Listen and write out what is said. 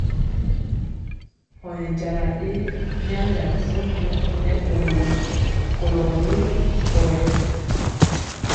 Ɔ nɛ jala byanja fumbu nɛ gwɔmbɔ kolɔ wuŋ kɔyɛ.